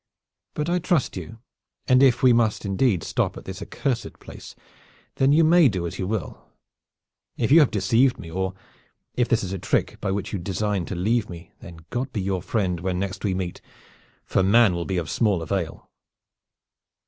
But I trust you, and if we must indeed stop at this accursed place, then you may do as you will. If you have deceived me, or if this is a trick by which you design to leave me, then God be your friend when next we meet, for man will be of small avail!"